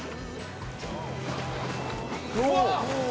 うわっ！